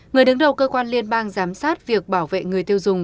người đứng đầu cơ quan liên bang giám sát việc bảo vệ người tiêu dùng